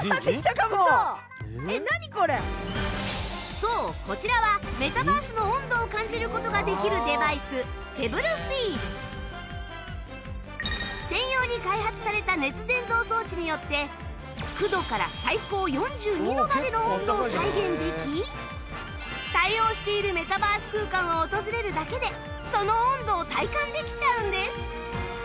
そうこちらはメタバースの温度を感じる事ができるデバイス ＰｅｂｂｌｅＦｅｅｌ専用に開発された熱伝導装置によって９度から最高４２度までの温度を再現でき対応しているメタバース空間を訪れるだけでその温度を体感できちゃうんです